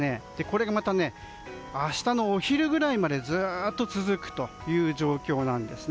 これがまた明日のお昼ぐらいまでずっと続く状況なんです。